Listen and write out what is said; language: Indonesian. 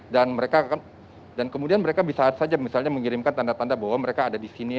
dan mereka akan dan kemudian mereka bisa saja misalnya mengirimkan tanda tanda bahwa mereka ada di sini